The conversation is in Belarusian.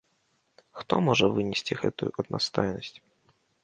Хто можа вынесці гэту аднастайнасць?